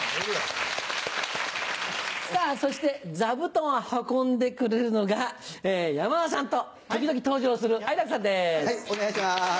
さぁそして座布団を運んでくれるのが山田さんと時々登場する愛楽さんです。